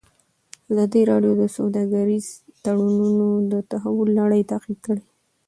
ازادي راډیو د سوداګریز تړونونه د تحول لړۍ تعقیب کړې.